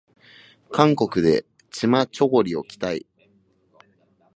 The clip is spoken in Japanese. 韓国でチマチョゴリを着たい